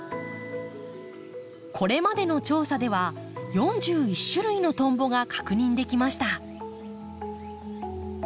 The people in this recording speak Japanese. これまでの調査では４１種類のトンボが確認できました。